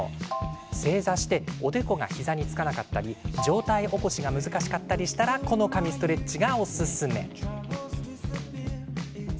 正座しておでこが膝につかなかったり上体起こしが難しかったりしたらこの神ストレッチがおすすめです。